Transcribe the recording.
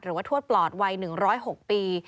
หรือว่าทวดปลอดวัย๑๐๖ปี